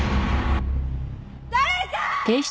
誰か！